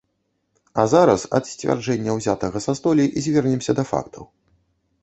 А зараз ад сцвярджэння, узятага са столі, звернемся да фактаў.